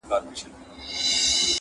هره ورځ کوي له خلکو څخه غلاوي -